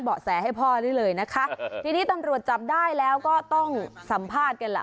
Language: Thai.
แสให้พ่อได้เลยนะคะทีนี้ตำรวจจับได้แล้วก็ต้องสัมภาษณ์กันล่ะ